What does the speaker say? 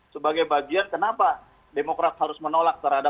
sebagai bagian kenapa demokrat harus menolak terhadap